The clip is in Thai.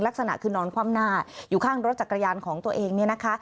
ลักษณะคือนอนคว่ำหน้าอยู่ข้างรถจักรยานของตัวเองเนี่ยนะคะ